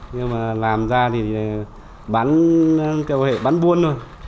nhưng mà làm ra thì bán buôn thôi